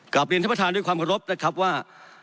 เรียนท่านประธานด้วยความขอรบนะครับว่า